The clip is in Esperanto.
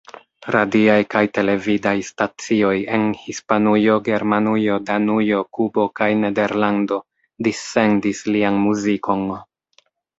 Radiaj kaj televidaj stacioj en Hispanujo, Germanujo, Danujo, Kubo kaj Nederlando dissendis lian muzikon.